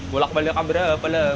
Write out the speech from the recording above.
bolak balikkan berapa lama